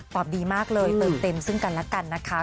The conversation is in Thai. ดีมากเลยเติมเต็มซึ่งกันแล้วกันนะคะ